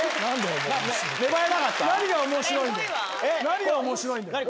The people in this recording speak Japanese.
何が面白いんだよ。